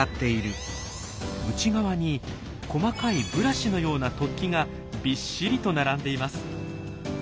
内側に細かいブラシのような突起がびっしりと並んでいます。